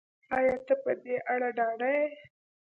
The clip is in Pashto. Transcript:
ایا ته په دې اړه ډاډه یې